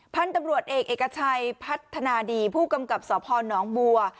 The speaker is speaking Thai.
พันธุ์ตำรวจเอกเอกชัยพัฒนาดีผู้กำกับสพนบัว